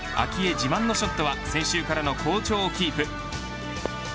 自慢のショットは先週からの好調をキープ。